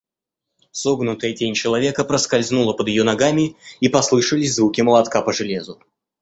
Согнутая тень человека проскользнула под ее ногами, и послышались звуки молотка по железу.